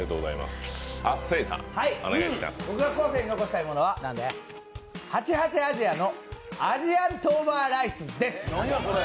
僕が後世に残したいものは８８亜細亜のＡｓｉａｎトーバーライスです。